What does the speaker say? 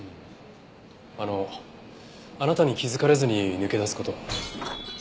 あのあなたに気づかれずに抜け出す事は？